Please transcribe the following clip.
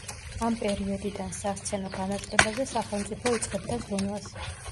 ამ პერიოდიდან სასცენო განათლებაზე სახელმწიფო იწყებდა ზრუნვას.